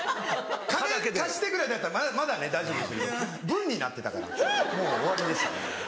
「金貸してくれ」だったらまだね大丈夫ですけど文になってたからもう終わりでしたね。